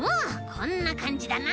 こんなかんじだな。